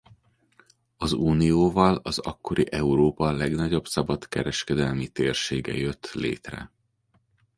Az unióval az akkori Európa legnagyobb szabadkereskedelmi térsége jött létre.